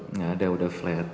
enggak ada sudah flat